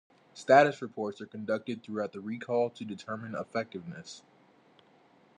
Status reports are conducted throughout the recall to determine effectiveness.